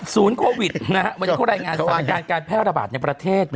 ศูนย์โควิดวันนี้ผู้รายงานสรรคารการแพร่ระบาดในประเทศ